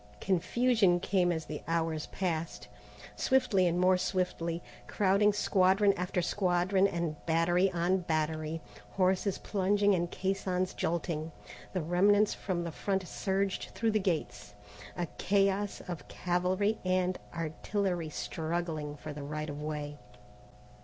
Confusion came as the hours passed. Swiftly and more swiftly, crowding squadron after squadron and battery on battery, horses plunging and caissons jolting, the remnants from the front surged through the gates, a chaos of cavalry and artillery struggling for the right of way.